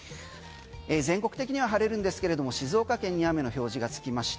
全国的には晴れるんですけれども静岡県に雨の表示がつきました。